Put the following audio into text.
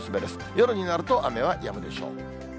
夜になると、雨はやむでしょう。